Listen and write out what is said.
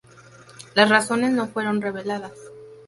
Las razones no fueron reveladas.